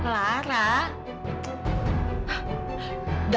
lara bukan sita tante ya